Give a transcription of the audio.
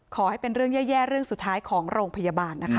ขอให้เป็นเรื่องแย่เรื่องสุดท้ายของโรงพยาบาลนะคะ